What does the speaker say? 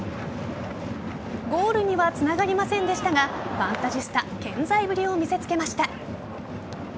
ゴールにはつながりませんでしたがファンタジスタ健在ぶりを見せ付けました。